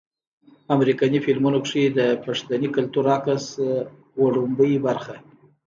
امريکني فلمونو کښې د پښتني کلتور عکس وړومبۍ برخه